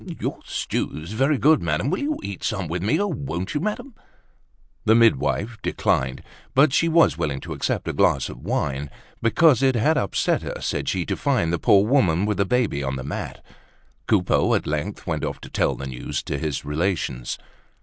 Your stew's very good. Madame will eat some with me, won't you, Madame?" The midwife declined; but she was willing to accept a glass of wine, because it had upset her, said she to find the poor woman with the baby on the mat. Coupeau at length went off to tell the news to his relations.